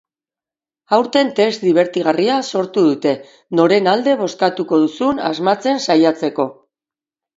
Aurten test dibertigarria sortu dute, noren alde bozkatuko duzun asmatzen saiatzeko.